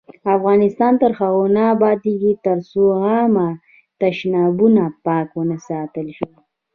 افغانستان تر هغو نه ابادیږي، ترڅو عامه تشنابونه پاک ونه ساتل شي.